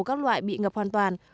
các loại bị ngập hoàn toàn